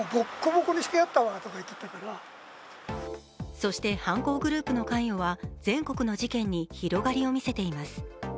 そして犯行グループの関与は全国の事件に広がりをみせています。